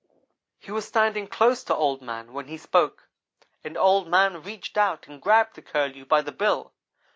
He was standing close to Old man when he spoke, and Old man reached out and grabbed the Curlew by the bill.